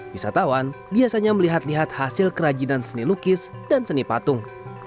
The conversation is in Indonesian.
wisatawan biasanya melihat lihat hasil kerajinan seni lukis dan seni patung